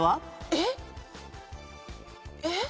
えっ？えっ？